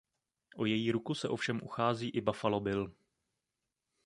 O její ruku se ovšem uchází i Buffalo Bill.